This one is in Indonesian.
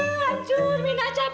tidak tidak tidak